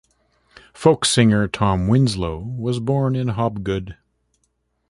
Folk singer Tom Winslow was born in Hobgood.